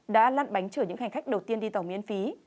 đã lăn bánh chở những hành khách đầu tiên đi tàu miễn phí